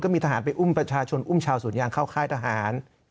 มีทหารไปอุ้มประชาชนอุ้มชาวสวนยางเข้าค่ายทหาร